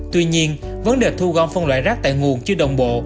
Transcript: tuy nhiên vấn đề thu gom phân loại rác tại nguồn chưa đồng bộ